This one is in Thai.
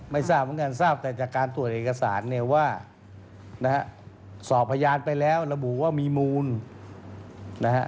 ไม่ทราบเหมือนกันทราบแต่จากการตรวจเอกสารเนี่ยว่านะฮะสอบพยานไปแล้วระบุว่ามีมูลนะฮะ